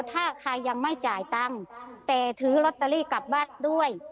ถ้าใครยังไม่จ่ายตังค์แต่ถือลอตเตอรี่กลับบ้านด้วย